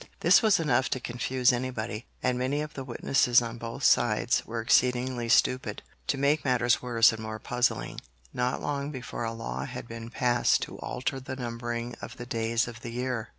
This was enough to confuse anybody, and many of the witnesses on both sides were exceedingly stupid. To make matters worse and more puzzling, not long before a law had been passed to alter the numbering of the days of the year.